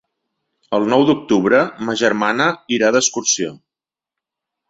El nou d'octubre ma germana irà d'excursió.